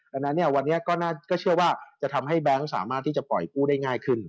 ดังนั้นเนี่ยวันนี้ก็เชื่อว่าจะทำให้แบงค์สามารถที่จะปล่อยกู้ได้ง่ายขึ้น